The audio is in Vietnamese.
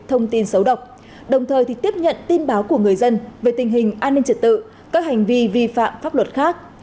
thông tin xấu độc đồng thời tiếp nhận tin báo của người dân về tình hình an ninh trật tự các hành vi vi phạm pháp luật khác